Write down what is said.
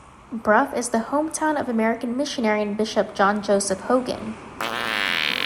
Bruff is the hometown of American missionary and bishop John Joseph Hogan.